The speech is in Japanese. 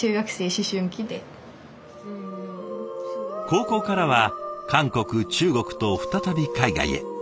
高校からは韓国中国と再び海外へ。